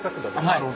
なるほど。